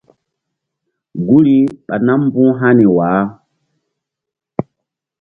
Guri ɓa nam mbu̧h hani wah.